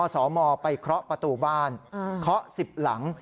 สมไปเคาะประตูบ้านเคาะ๑๐หลัง